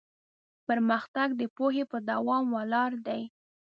پرمختګ د پوهې په دوام ولاړ دی.